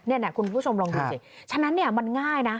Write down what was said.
นี่นะคุณผู้ชมลองดูสิฉะนั้นเนี่ยมันง่ายนะ